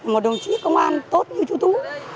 một đồng chí công an tốt như chú tú